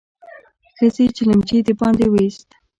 ښځې چلمچي د باندې ويست.